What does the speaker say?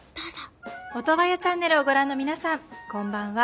オトワヤチャンネルをご覧の皆さんこんばんは。